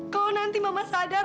kalau nanti mama sadar